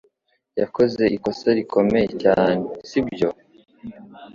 yakoze ikosa rikomeye cyane, sibyo?